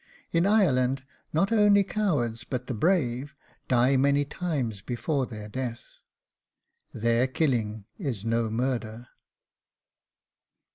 In Ireland, not only cowards, but the brave 'die many times before their death.' There KILLING IS NO MURDER.